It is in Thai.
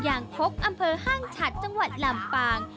ยางคกอำเภอห้างฉัดจังหวัดลำปาง